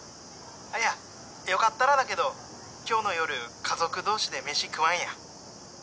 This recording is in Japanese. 「いやよかったらだけど今日の夜家族同士で飯食わんや？」